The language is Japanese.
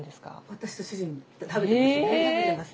私と主人食べてます。